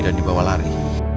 dan dibawa lari